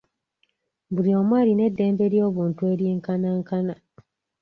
Buli omu alina ddembe ly'obuntu eryenkanankana.